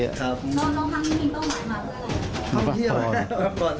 แล้วครั้งที่นี่เข้ามามาเพื่ออะไร